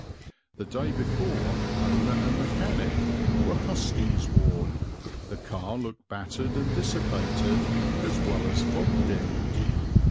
The day before owner and mechanic were hustings worn, the car looked battered and dissipated as well as fog dimmed.